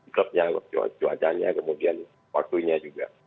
dropnya cuacanya kemudian waktunya juga